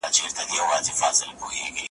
کله دي وران کړي زلزلې کله توپان وطنه ,